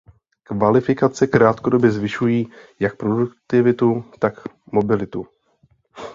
Kvalifikace krátkodobě zvyšují jak produktivitu, tak mobilitu.